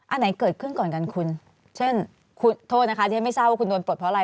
อันไหนเกิดขึ้นก่อนกันคุณเช่นคุณโทษนะคะที่ฉันไม่ทราบว่าคุณโดนปลดเพราะอะไร